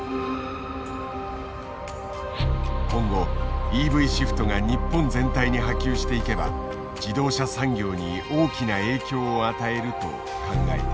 「今後ＥＶシフトが日本全体に波及していけば自動車産業に大きな影響を与える」と考えている。